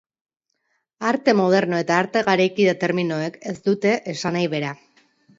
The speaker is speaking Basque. Arte moderno eta arte garaikide terminoek ez dute esanahi bera.